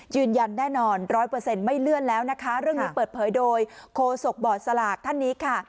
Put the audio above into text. ยืนยันแน่นอนร้อยเปอร์เซ็นต์ไม่เลื่อนแล้วนะคะเรื่องนี้เปิดเผยโดยโคศกบอร์ดสลากท่านนี้ค่ะ